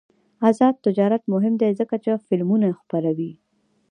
آزاد تجارت مهم دی ځکه چې فلمونه خپروي.